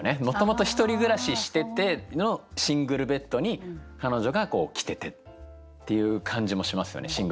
もともと１人暮らししててのシングルベッドに彼女が来ててっていう感じもしますよね。